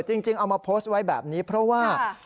จริงเอามาโพสต์ไว้แบบนี้เพราะว่า